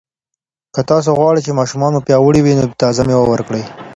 که تاسو غواړئ چې ماشومان مو پیاوړي وي، نو تازه مېوه ورکړئ.